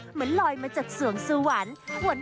เหมือนลอยมาจากเสืองสุวรรณ